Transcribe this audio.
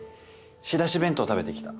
仕出し弁当食べてきた。